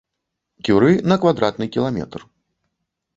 Кюры на квадратны кіламетр.